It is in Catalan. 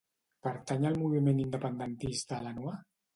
Pertany al moviment independentista la Noa?